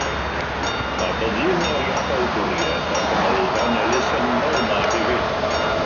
Mae Byddin yr Iachawdwriaeth a chanolfan elusennol yno hefyd.